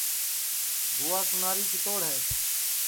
بھوا سُناری کِتوڑ ہے